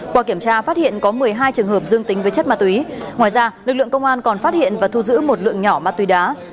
qua kiểm tra phát hiện có một mươi hai trường hợp dương tính với chất ma túy ngoài ra lực lượng công an còn phát hiện và thu giữ một lượng nhỏ ma túy đá